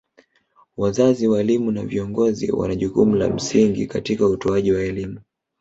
Wazazi walimu na viongozi wana jukumu la msingi katika utoaji wa elimu